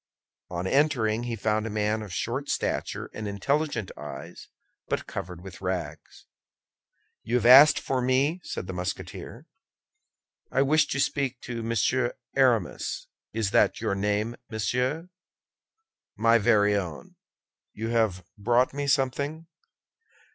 On entering he found a man of short stature and intelligent eyes, but covered with rags. "You have asked for me?" said the Musketeer. "I wish to speak with Monsieur Aramis. Is that your name, monsieur?" "My very own. You have brought me something?"